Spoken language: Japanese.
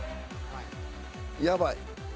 やばい。